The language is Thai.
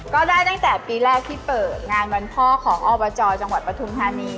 ก็ได้ตั้งแต่ปีแรกที่เปิดงานวันพ่อของอบจจังหวัดปทุมธานี